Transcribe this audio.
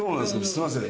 すみません。